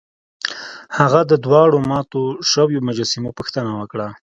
هغه د دواړو ماتو شویو مجسمو پوښتنه وکړه.